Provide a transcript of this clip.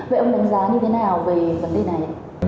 vậy ông đánh giá như thế nào về vấn đề này